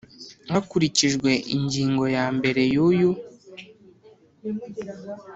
hakurikijwe ingingo yambere y uyu